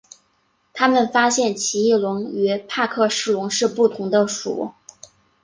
他们发现奇异龙与帕克氏龙是不同的属。